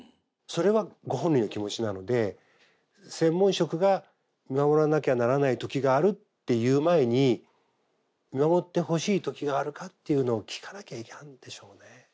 それはご本人の気持ちなので専門職が見守らなきゃならない時があるって言う前に見守ってほしい時があるかっていうのを聞かなきゃいかんでしょうね。